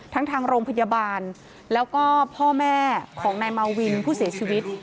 ทางโรงพยาบาลแล้วก็พ่อแม่ของนายมาวินผู้เสียชีวิต